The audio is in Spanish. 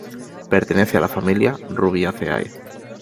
Pertenece a la familia Rubiaceae.